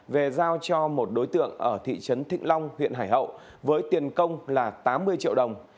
về giao cho một đối tượng ở thị trấn thịnh long huyện hải hậu với tiền công là tám mươi triệu đồng